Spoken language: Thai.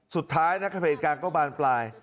สุดท้ายนักภัยการก็บานปลาย